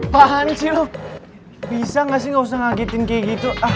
pancilok bisa gak sih gak usah ngagetin kayak gitu